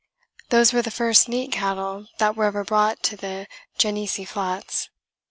Those were the first neat cattle that were ever brought to the Genesee flats.